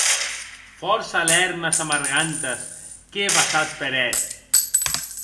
Fòrça lèrmes amargantes qu'è vessat per eth!